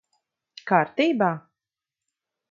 Kārtībā?